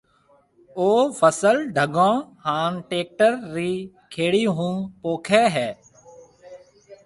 او فصل ڍڳون ھان ٽريڪٽر رِي کيڙي ھون پوکيَ ھيََََ